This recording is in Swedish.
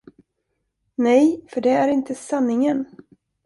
Nej, för det är inte sanningen.